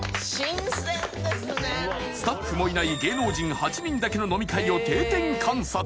スタッフもいない芸能人８人だけの飲み会を定点観察